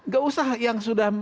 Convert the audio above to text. gak usah yang sudah